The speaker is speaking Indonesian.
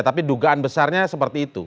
tapi dugaan besarnya seperti itu